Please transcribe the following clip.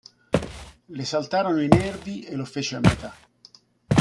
Le saltarono i nervi e lo fece a metà.